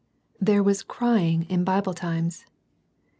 65 There was " crying " in Bible times.